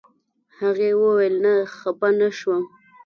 هغې ویل نه خپه نه شوم.